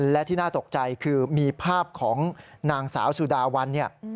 และที่น่าตกใจคือมีภาพของนางสาวสุดาวันเนี่ย